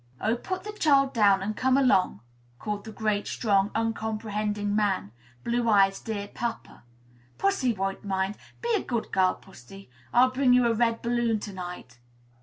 "Oh, put the child down, and come along," called the great, strong, uncomprehending man Blue Eyes' dear papa. "Pussy won't mind. Be a good girl, pussy; I'll bring you a red balloon to night."